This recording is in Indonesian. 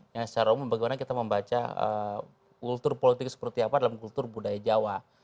yang secara umum bagaimana kita membaca kultur politik seperti apa dalam kultur budaya jawa